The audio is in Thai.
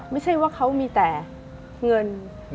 ไม่ใช่ว่าเขามีแต่เงิน